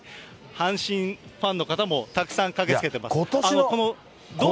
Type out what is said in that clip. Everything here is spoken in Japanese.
阪神ファンの方もたくさん駆けつけてます。